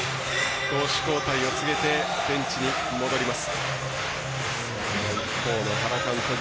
投手交代を告げてベンチに戻ります。